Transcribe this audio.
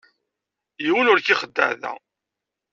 Yiwen ur k-ixeddeε da.